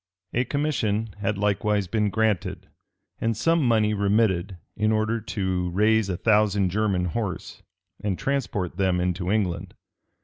A commission had likewise been granted, and some money remitted, in order to raise a thousand German horse, and transport them into England.